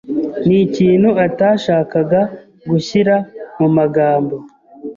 Ni ikintu atashakaga gushyira mu magambo.